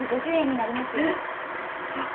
えっはっ。